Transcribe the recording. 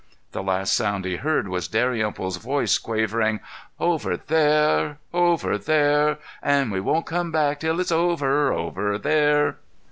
The last sound he heard was Dalrymple's voice quavering: "Over there! Over there! And we won't come back till it's over, over there."